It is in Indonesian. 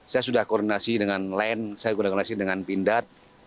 saya sudah koordinasi dengan len saya sudah koordinasi dengan pindad